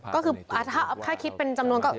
ก็คือถ้าคิดเป็นจำนวนก็